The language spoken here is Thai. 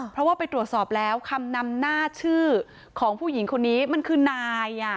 เพราะว่าไปตรวจสอบแล้วคำนำหน้าชื่อของผู้หญิงคนนี้มันคือนาย